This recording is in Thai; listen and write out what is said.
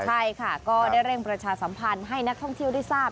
ใช่ค่ะก็ได้เร่งประชาสัมพันธ์ให้นักท่องเที่ยวได้ทราบ